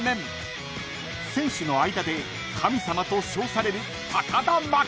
［選手の間で神様と称される］